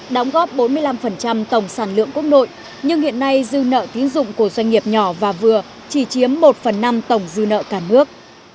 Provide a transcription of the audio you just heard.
đóng góp bốn mươi năm tổng sản lượng quốc nội nhưng hiện nay dư nợ tín dụng của doanh nghiệp nhỏ và vừa chỉ chiếm một phần năm tổng dư nợ cả nước